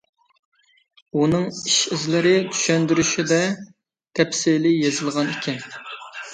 ئۇنىڭ ئىش ئىزلىرى چۈشەندۈرۈشىدە تەپسىلىي يېزىلغان ئىكەن.